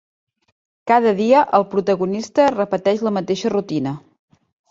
Cada dia el protagonista repeteix la mateixa rutina.